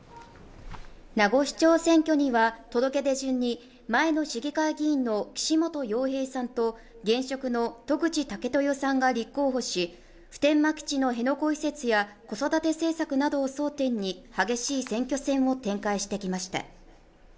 名護市長選挙には、届け出順に前の市議会議員の岸本洋平さんと現職の渡具知武豊さんが立候補し、普天間基地の辺野古移設や子育て政策などを争点に激しい選挙戦を展開してきました。